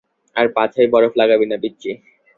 আর পাছায় বরফ লাগাবি না, পিচ্চি।